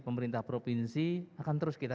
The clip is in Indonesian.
pemerintah provinsi akan terus kita